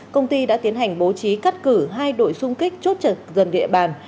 công ty đã tiến hành bố trí cắt cử hai đội sung kích chốt chật dần địa bàn